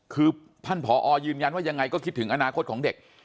คือท่านผอยืนยันว่ายังไงก็คิดถึงอนาคตของเด็ก